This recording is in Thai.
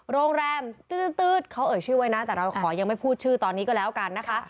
โรงแรมตื๊ดเขาเอ่ยชื่อไว้นะแต่เราขอยังไม่พูดชื่อตอนนี้ก็แล้วกันนะคะ